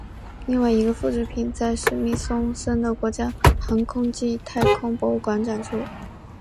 另外一个复制品在史密松森的国家航空暨太空博物馆展出。